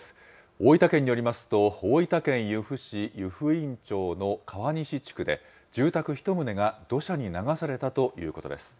大分県によりますと大分県由布市湯布院町の川西地区で、住宅１棟が土砂に流されたということです。